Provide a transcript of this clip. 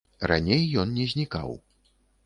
Раней ён не знікаў.